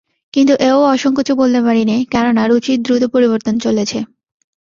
কিন্তু এও অসংকোচে বলতে পারি নে, কেননা রুচির দ্রুত পরিবর্তন চলেছে।